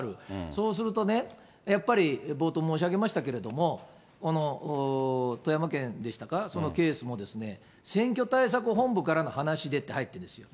そうするとね、やっぱり冒頭申し上げましたけれども、この富山県でしたか、そのケースも、選挙対策本部からの話でって入ってるんですよ。